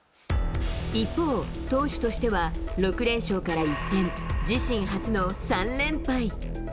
一方、投手としては６連勝から一転、自身初の３連敗。